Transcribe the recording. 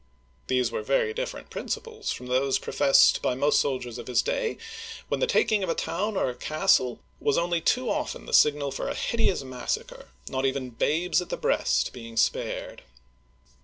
These were very different principles from those professed by most soldiers of his day, when the taking of a town or castle was only too often the signal for a hideous massacre, not even babes at the breast being spared.